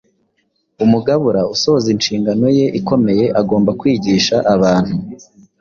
Umugabura usohoza inshingano ye ikomeye agomba kwigisha abantu